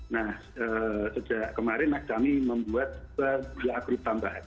nah sejak kemarin kami membuat dua grup tambahan